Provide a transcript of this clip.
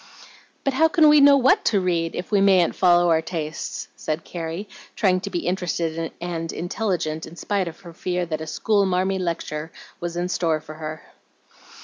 "But how can we know WHAT to read if we mayn't follow our tastes?" said Carrie, trying to be interested and "intelligent" in spite of her fear that a "school marmy" lecture was in store for her.